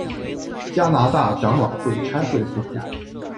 加拿大长老会差会夫妇。